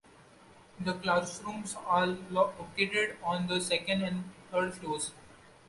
The classrooms are located on the second and third floors.